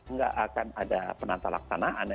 nggak akan ada penata laksanaan